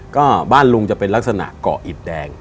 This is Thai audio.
ก็บ้านลุงจะเป็นลักษณะเกาะอิดแดง